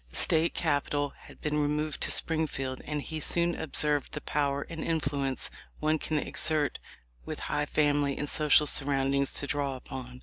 The State Capital had been removed to Springfield, and he soon observed the power and influence one can exert with high family and social surroundings to draw upon.